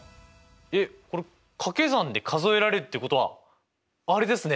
えっこれ掛け算で数えられるってことはあれですね？